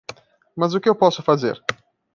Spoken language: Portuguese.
Mas o que eu posso fazer?